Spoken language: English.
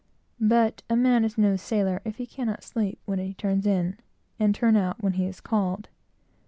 But a man is no sailor if he cannot sleep when he turns in, and turn out when he's called.